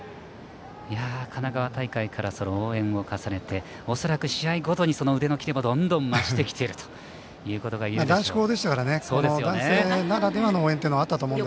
神奈川大会から応援を重ねて恐らく試合ごとに腕のキレもどんどん増してきているということがいえるでしょう。